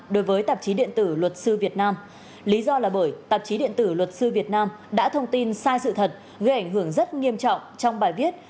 điện tử luật sư việt nam đã thông tin sai sự thật gây ảnh hưởng rất nghiêm trọng trong bài viết